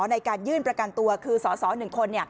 ในการยื่นประกันตัวคือสส๑คน